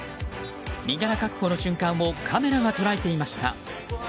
身柄確保の瞬間をカメラが捉えていました。